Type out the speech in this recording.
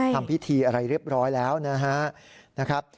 ทำพิธีอะไรเรียบร้อยแล้วนะครับ